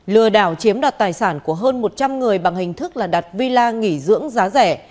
lừa đảo chiếm đoạt tài sản của hơn một trăm linh người bằng hình thức là đặt villa nghỉ dưỡng giá rẻ